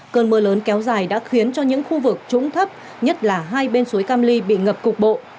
cơn mưa lớn kéo dài đã khiến cho những khu vực trũng thấp nhất là hai bên suối cam ly bị ngập cục bộ